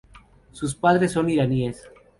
Sus padres son iraníes.